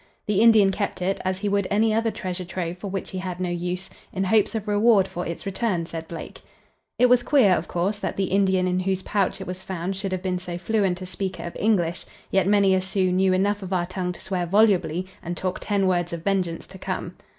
The Indian kept it, as he would any other treasure trove for which he had no use, in hopes of reward for its return, said Blake. It was queer, of course, that the Indian in whose pouch it was found should have been so fluent a speaker of English, yet many a Sioux knew enough of our tongue to swear volubly and talk ten words of vengeance to come.